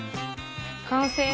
完成。